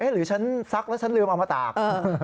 หรือฉันซักแล้วฉันลืมเอามาตาก